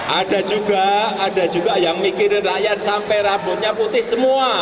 ada juga ada juga yang mikirin rakyat sampai rambutnya putih semua